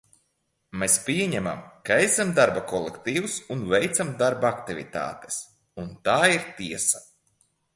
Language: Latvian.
Mēs pieņemam, ka esam darba kolektīvs un veicam darba aktivitātes, un tā ir tiesa.